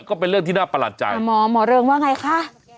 ก็เป็นเรื่องที่น่าประหลาดใจแต่หมอหมอเริงว่าไงคะ